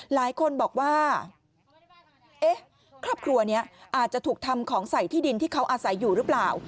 หลายคนบอกว่าครอบครัวนี้อาจจะถูกทำของใส่ที่ดินที่เขาอาศัยอยู่หรือเปล่า